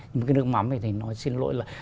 nhưng cái nước mắm thì nói xin lỗi là